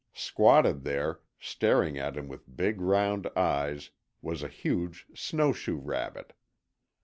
Squatted there, staring at him with big round eyes, was a huge snowshoe rabbit.